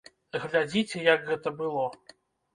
Глядзіце, як гэта было!